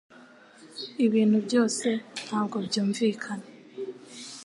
Ibintu byose ntabwo byumvikana